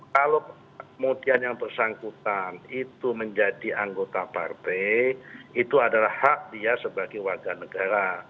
kalau kemudian yang bersangkutan itu menjadi anggota partai itu adalah hak dia sebagai warga negara